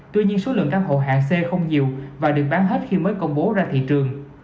tuy nhiên số lượng căn hộ hạng c không nhiều và được bán hết khi mới công bố ra thị trường